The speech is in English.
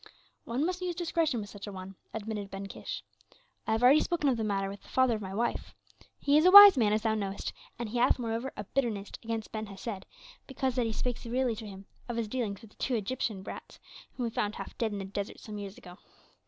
"One must use discretion with such an one," admitted Ben Kish. "I have already spoken of the matter with the father of my wife. He is a wise man, as thou knowest, and he hath moreover a bitterness against Ben Hesed because that he spake severely to him of his dealings with the two Egyptian brats, whom we found half dead in the desert some years ago.